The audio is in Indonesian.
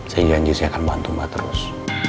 saya janji saya akan bantu mbak terus